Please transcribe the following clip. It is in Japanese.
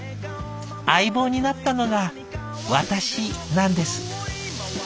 相棒になったのが私なんです」。